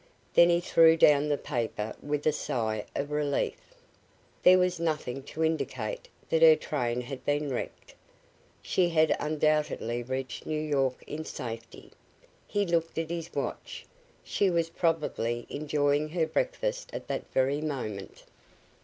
Then he threw down the paper with a sigh of relief. There was nothing to indicate that her train had been wrecked. She had undoubtedly reached New York in safety. He looked at his watch. She was probably enjoying her breakfast at that very moment.